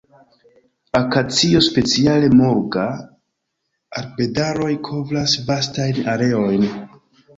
Akacio, speciale "mulga"-arbedaroj kovras vastajn areojn.